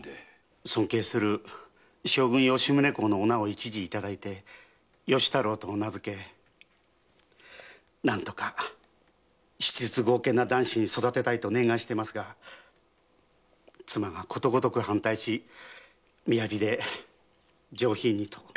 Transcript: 尊敬する将軍・吉宗公の御名を一字いただいて吉太郎と名付け何とか質実剛健な男子に育てたいと念願していますが妻がことごとく反対し雅びで上品にと。